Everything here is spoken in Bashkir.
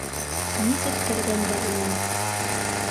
Нисек кергәндәр улар?